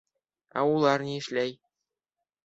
Ә улар ни эшләй?